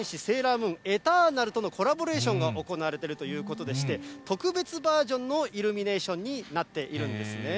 ムーンエターナルとのコラボレーションが行われているということでして、特別バージョンのイルミネーションになっているんですね。